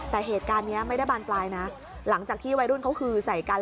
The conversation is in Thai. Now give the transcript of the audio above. แต่เหตุการณ์นี้ไม่ได้บานปลายนะหลังจากที่วัยรุ่นเขาคือใส่กัน